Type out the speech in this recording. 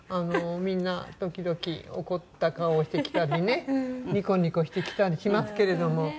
みんな時々怒った顔をしてきたりねニコニコしてきたりしますけれども。